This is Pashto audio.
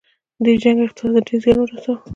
دې جنګ اقتصاد ته ډیر زیان ورساوه.